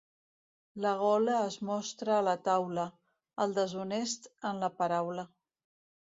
La gola es mostra a la taula; el deshonest, en la paraula.